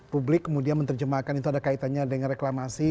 publik kemudian menerjemahkan itu ada kaitannya dengan reklamasi